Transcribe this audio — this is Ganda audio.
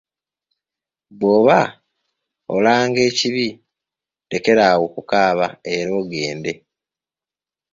Bw’oba olanga kabi lekeraawo okukaaba era ogende.